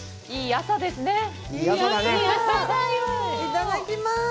いただきます！